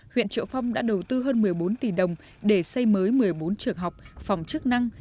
huyện triệu phong đã đầu tư hơn một mươi bốn tỷ đồng để xây mới một mươi bốn trường học phòng chức năng